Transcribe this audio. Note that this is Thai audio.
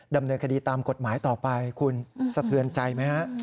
ดำเนินคดีตามกฎหมายต่อไปคุณสะเทือนใจไหมฮะ